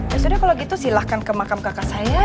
ya sudah kalau gitu silahkan ke makam kakak saya